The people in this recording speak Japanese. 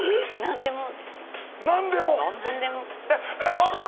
何でも。